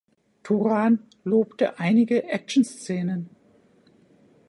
Turan lobte einige Actionszenen.